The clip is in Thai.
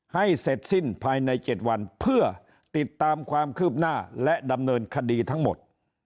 ให้เสร็จสิ้นภายใน๗วันเพื่อติดตามความคืบหน้าและดำเนินคดีทั้งหมด